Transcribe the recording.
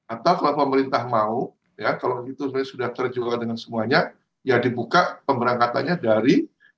atau kalau pemerintah mau ya kalau itu sebenarnya sudah terjual dengan semuanya ya dibuka pemberangkatannya dari